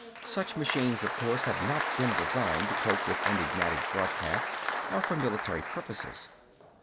Such machines, of course, had not been designed to cope with enigmatic broadcasts or for military purposes.